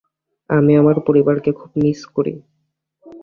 আমি আমার পরিবারকে খুব মিস করেছি।